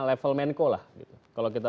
level menko lah kalau kita